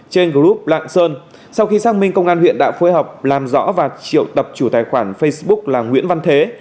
trên group lạng sơn sau khi xác minh công an huyện đã phối hợp làm rõ và triệu tập chủ tài khoản facebook là nguyễn văn thế